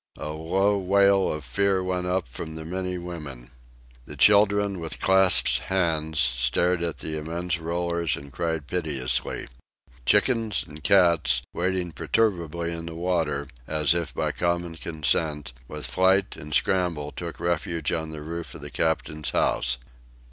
A low wail of fear went up from the many women. The children, with clasped hands, stared at the immense rollers and cried piteously. Chickens and cats, wading perturbedly in the water, as by common consent, with flight and scramble took refuge on the roof of the captain's house.